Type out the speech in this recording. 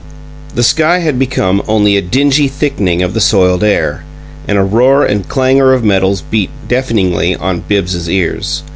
The sky had become only a dingy thickening of the soiled air; and a roar and clangor of metals beat deafeningly on Bibbs's ears.